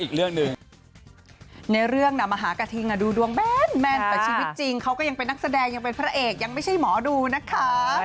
เขาก็ยังเป็นนักแสดงยังเป็นพระเอกยังไม่ใช่หมอดูนะคะ